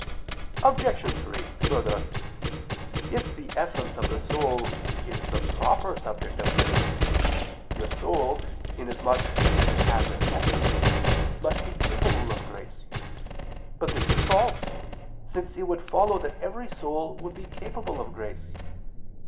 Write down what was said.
Obj. 3: Further, if the essence of the soul is the proper subject of grace, the soul, inasmuch as it has an essence, must be capable of grace. But this is false; since it would follow that every soul would be capable of grace.